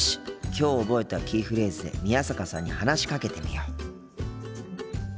きょう覚えたキーフレーズで宮坂さんに話しかけてみよう。